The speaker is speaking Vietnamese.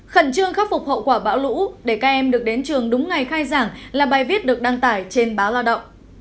khẩn trương khắc phục hậu quả bão lũ để các em được đến trường đúng ngày khai giảng là bài viết được đăng tải trên báo lao động